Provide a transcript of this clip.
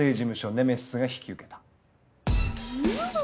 ネメシスが引き受けた。